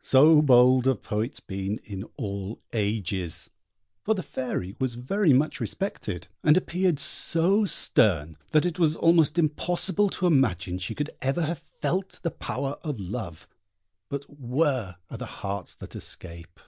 So bold have poets been in all ages! For the Fairy was very much respected, and appeared so stern that it was almost impossible to imagine she could ever have felt the power of love; but where are the hearts that escape?